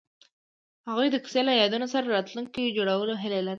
هغوی د کوڅه له یادونو سره راتلونکی جوړولو هیله لرله.